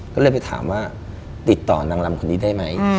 ก็เลยไปถามว่าติดต่อนางลำคนนี้ได้ไหม